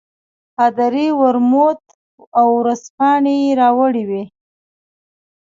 پادري ورموت او ورځپاڼې راوړې وې.